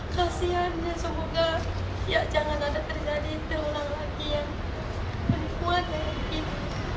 kasiannya semoga ya jangan ada terjadi terulang lagi yang penipuan kayak gini